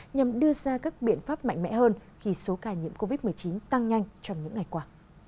nhằm đưa ra các biện pháp mạnh mẽ hơn khi số ca nhiễm covid một mươi chín tăng nhanh trong những ngày qua